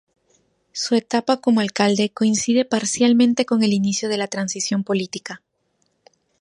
Su etapa como alcalde coincide parcialmente con el inicio de la Transición política.